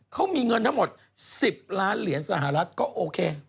เขามีเงินทั้งหมด๑๐ล้านเหรียญสหรัฐก็โอเค